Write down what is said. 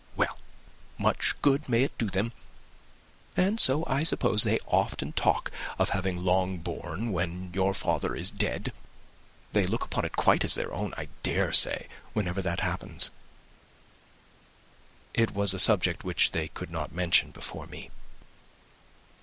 Well, much good may it do them! And so, I suppose, they often talk of having Longbourn when your father is dead. They look upon it quite as their own, I dare say, whenever that happens." "It was a subject which they could not mention before me."